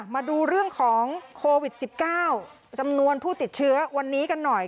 มาดูเรื่องของโควิด๑๙จำนวนผู้ติดเชื้อวันนี้กันหน่อย